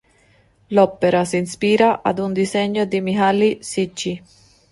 L'opera si ispira ad un disegno di Mihály Zichy.